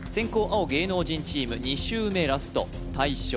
青芸能人チーム２周目ラスト大将